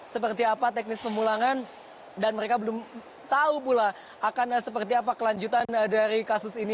seperti apa teknis pemulangan dan mereka belum tahu pula akan seperti apa kelanjutan dari kasus ini